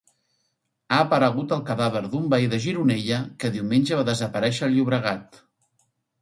Ha aparegut el cadàver d'un veí de Gironella que diumenge va desaparèixer al Llobregat.